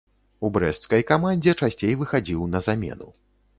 У брэсцкай камандзе часцей выхадзіў на замену.